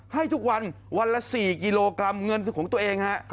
ให้ทุกวันวันละ๔กิโลกรัมเงินของตัวเองฮะ